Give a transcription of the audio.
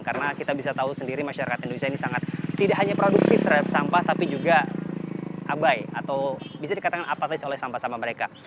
karena kita bisa tahu sendiri masyarakat indonesia ini sangat tidak hanya produktif terhadap sampah tapi juga abai atau bisa dikatakan apatis oleh sampah sampah mereka